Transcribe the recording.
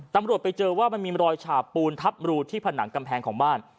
ตำรวจไปเจอว่ามันมีรอยฉาบปูนทับรูที่ผนังกำแพงของบ้าน